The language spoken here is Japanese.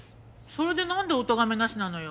それでなんでおとがめなしなのよ。